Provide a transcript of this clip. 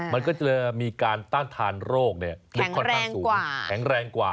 มันก็จะมีการต้านทานโรคลึกค่อนข้างสูงแข็งแรงกว่า